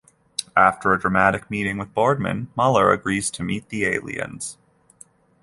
After a dramatic meeting with Boardman, Muller agrees to meet the aliens.